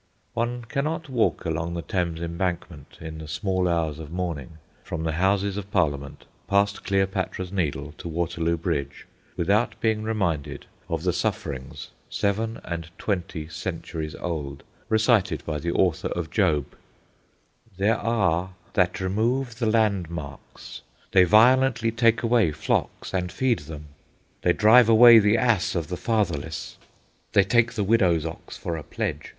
One cannot walk along the Thames Embankment, in the small hours of morning, from the Houses of Parliament, past Cleopatra's Needle, to Waterloo Bridge, without being reminded of the sufferings, seven and twenty centuries old, recited by the author of "Job":— There are that remove the landmarks; they violently take away flocks and feed them. They drive away the ass of the fatherless, they take the widow's ox for a pledge.